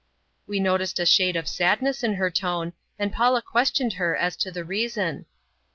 We noticed a shade of sadness in her tone, and Paula questioned her as to the reason.